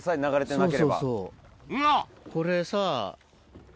が！これさ。